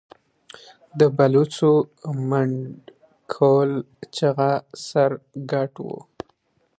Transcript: د پلوڅو، منډکول چغه سر، ګټ و